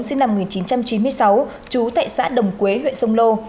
sinh năm một nghìn chín trăm chín mươi sáu trú tại xã đồng quế huyện sông lô